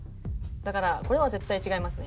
だからこれは絶対違いますね。